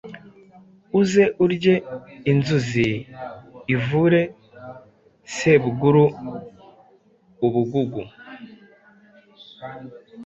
uze urye inzuzi ivure. Sebuguru ubugugu: